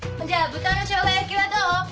じゃあ豚のしょうが焼きはどう？